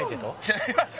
違います